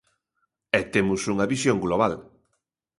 E temos unha visión global.